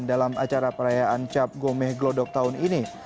dalam acara perayaan cap gomeh glodok tahun ini